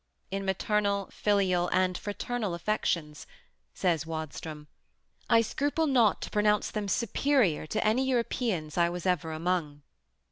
"In maternal, filial and fraternal affections," says Wadstrom, "I scruple not to pronounce them superior to any Europeans I was ever among."